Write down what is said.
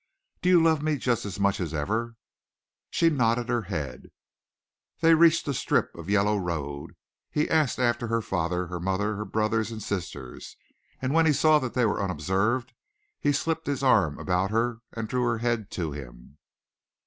"Do you love me just as much as ever?" She nodded her head. They reached a strip of yellow road, he asking after her father, her mother, her brothers and sisters, and when he saw that they were unobserved he slipped his arm about her and drew her head to him.